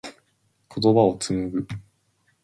言葉を紡ぐ。